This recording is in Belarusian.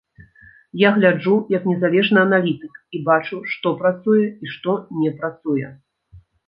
Я гляджу як незалежны аналітык і бачу, што працуе і што не працуе.